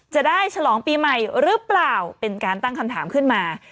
ฉลองปีใหม่หรือเปล่าเป็นการตั้งคำถามขึ้นมา